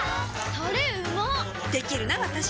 タレうまっできるなわたし！